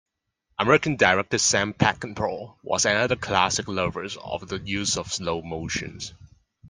American director Sam Peckinpah was another classic lover of the use of slow motion.